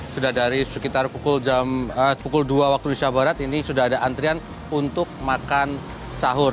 sudah dari sekitar pukul dua waktu indonesia barat ini sudah ada antrian untuk makan sahur